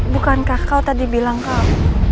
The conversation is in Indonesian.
bukankah kau tadi bilang kau